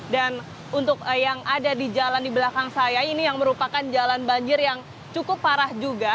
dan untuk yang ada di jalan di belakang saya ini yang merupakan jalan banjir yang cukup parah juga